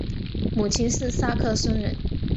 母亲是萨克森人。